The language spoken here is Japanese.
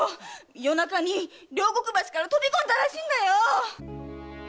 夜中に両国橋から飛び込んだらしいんだ。